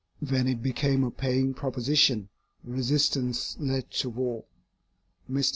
When it became a paying proposition, resistance led to war. Mr.